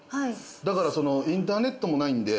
だからインターネットもないんで。